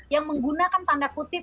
yang menggunakan tanda kutip